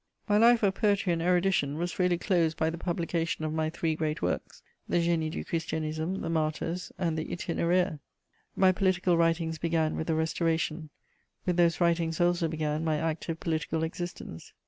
My life of poetry and erudition was really closed by the publication of my three great works, the Génie du Christianisme, the Martyrs and the Itinéraire. My political writings began with the Restoration; with those writings also began my active political existence.